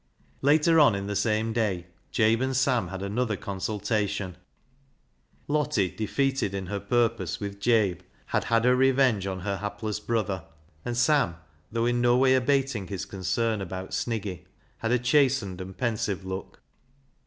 Later on, in the same day, Jabe and Sam had another consultation. Lottie, defeated in her purpose with Jabe, had had her revenge on her hapless brother, and Sam, though in no way abating his concern about Sniggy, had a chastened and pensive look.